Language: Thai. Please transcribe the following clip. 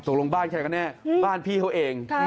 ลงบ้านใครกันแน่บ้านพี่เขาเอง